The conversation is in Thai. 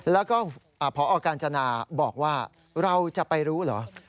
แล้วก็พอกาญจนาบอกว่าเราจะไปรู้เหรอ